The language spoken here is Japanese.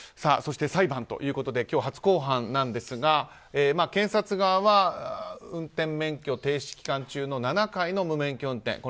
そして裁判ということで今日、初公判なんですが検察側は運転免許停止期間中の７回の無免許運転